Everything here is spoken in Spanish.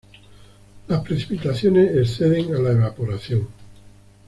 Las precipitaciones exceden a la evaporación.